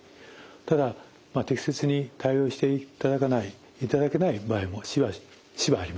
ただ適切に対応していただけない場合もしばしばあります。